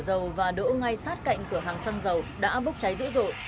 tại sau khi đổ dầu và đỗ ngay sát cạnh cửa hàng xăng dầu đã bốc cháy dữ dội